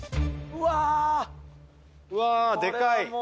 うわっでかい。